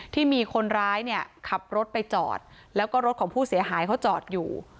ที่มีคนร้ายเนี่ยขับรถไปจอดแล้วก็รถของผู้เสียหายเขาจอดอยู่